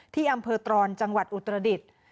ที่อำเภอตรอนจังหวัดอุตรดิษฐ์